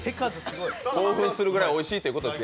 興奮するぐらいおいしいということです。